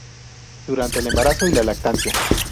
Durante el embarazo y la lactancia.